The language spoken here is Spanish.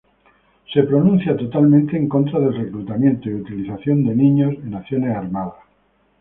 Se pronuncia totalmente en contra del reclutamiento y utilización de niños en acciones armadas.